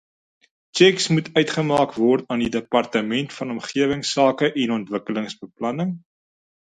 Tjeks moet uitgemaak word aan die Departement van Omgewingsake en Ontwikkelingsbeplanning.